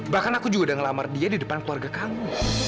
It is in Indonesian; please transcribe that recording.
bahkan aku juga udah ngelamar dia di depan keluarga kamu